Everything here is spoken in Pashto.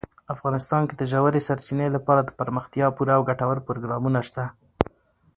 افغانستان کې د ژورې سرچینې لپاره دپرمختیا پوره او ګټور پروګرامونه شته.